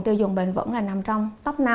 tiêu dùng bền vững là nằm trong top năm